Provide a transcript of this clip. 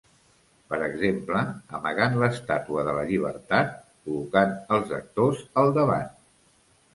Per exemple, amagant l'Estàtua de la Llibertat col·locant els actors al davant.